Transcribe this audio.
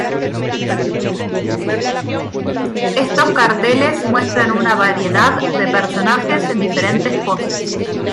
Estos carteles muestran una variedad de personajes en diferentes poses.